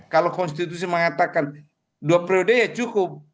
kalau konstitusi mengatakan dua periode ya cukup